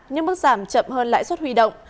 nhưng bước giảm chậm hơn lãi suất huy động